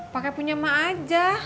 pake punya mak aja